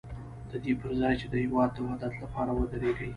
د دې پر ځای چې د هېواد د وحدت لپاره ودرېږي.